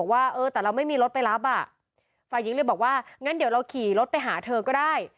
ว่าเออแต่เราไม่มีรถไปรับอ่ะฝ่ายหญิงเลยบอกว่างั้นเดี๋ยวเราขี่รถไปหาเธอก็ได้